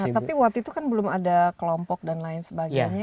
tapi waktu itu kan belum ada kelompok dan lain sebagainya